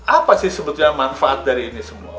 apa sih sebetulnya manfaat dari ini semua